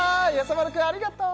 丸くんありがとう！